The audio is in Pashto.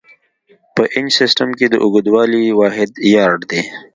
په انچ سیسټم کې د اوږدوالي واحد یارډ دی.